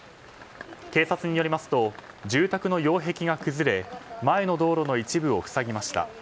警察によりますと住宅の擁壁が崩れ前の道路の一部を塞ぎました。